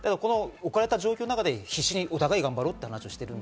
置かれた状況の中で必死にお互い頑張ろうって話をしている。